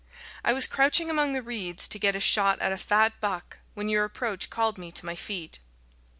I was crouching among the reeds to get a shot at a fat buck, when your approach called me to my feet."